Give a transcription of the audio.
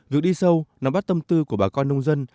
việc đi sâu nắm bắt tâm tư của bà con nông dân